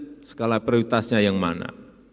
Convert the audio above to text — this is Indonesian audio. gak jelas skala prioritasnya yang mana